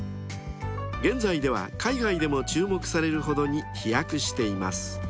［現在では海外でも注目されるほどに飛躍しています］